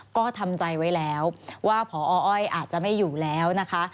ก็ทำใจไว้แล้วว่าพออ้อยอาจจะไม่อยู่แล้วนะคะ